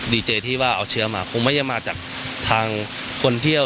ดีเจที่ว่าเอาเชื้อมาคงไม่ได้มาจากทางคนเที่ยว